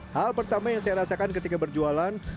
hal pertama yang saya rasakan ketika berjualan